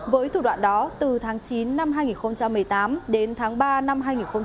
với thủ đoạn đó từ tháng chín năm hai nghìn một mươi tám đến tháng ba năm hai nghìn một mươi chín